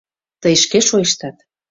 Тый шке шойыштат!